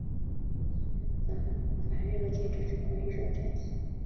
所用的传热介质称为热载体。